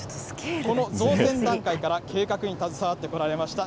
この造船段階から計画に携わってこられました